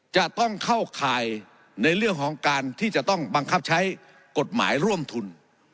จะต้องเข้าข่ายในเรื่องของการที่จะต้องบังคับใช้กฎหมายร่วมทุน